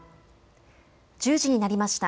１０時になりました。